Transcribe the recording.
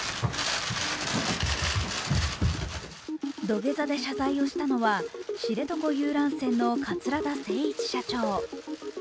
土下座で謝罪をしたのは知床遊覧船の桂田精一社長。